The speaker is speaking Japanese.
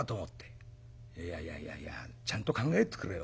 「いやいやいやいやちゃんと考えてくれよ。